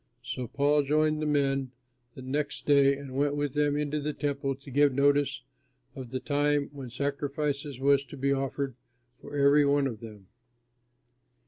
So Paul joined the men the next day and went with them into the Temple to give notice of the time when sacrifice was to be offered for every one of them.